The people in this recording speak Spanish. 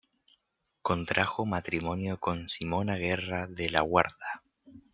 Contrajo matrimonio con Simona Guerra de la Guarda.